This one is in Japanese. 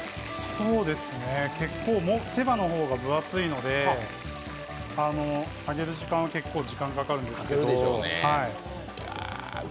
そうですね、結構手羽の方が分厚いので揚げる時間は結構かかるんですけど。